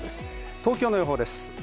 東京の予報です。